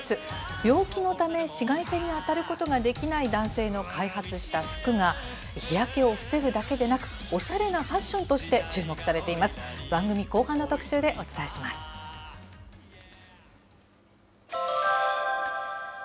病気のため紫外線に当たることができない男性の開発した服が日焼けを防ぐだけでなく、おしゃれなファッションとして注目されています。